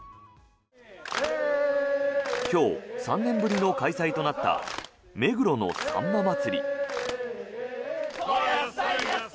今日、３年ぶりの開催となった目黒のさんま祭。